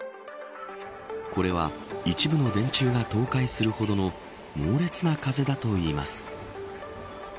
これは一部の電柱が倒壊するほどの猛烈な風だといいます。